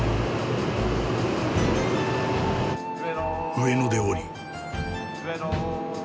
上野で降り。